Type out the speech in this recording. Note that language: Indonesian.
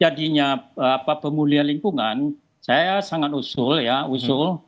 jadinya pemulihan lingkungan saya sangat usul ya usul